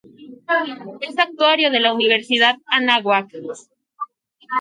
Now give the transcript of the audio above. Es Actuario de la Universidad Anáhuac.